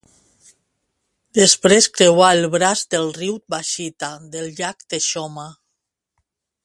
Després creua el braç del riu Washita del llac Texoma.